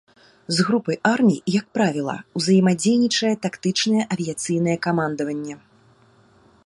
З групай армій, як правіла, узаемадзейнічае тактычнае авіяцыйнае камандаванне.